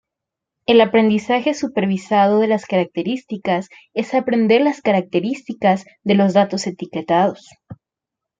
El aprendizaje supervisado de características es aprender las características de los datos etiquetados.